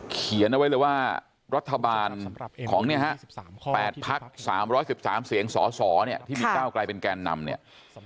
เขียนเอาไว้เลยว่ารัฐบาลของเนี่ยฮะ๘พัก๓๑๓เสียงสสเนี่ยที่มีก้าวกลายเป็นแกนนำเนี่ย